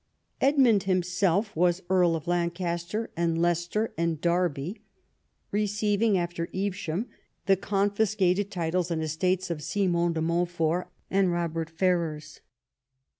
Edmund himself was Earl of Lancaster and Leicester and Derby, receiving after Evesham the confiscated titles and estates of Simon de IMontfort and Robert Eerrers.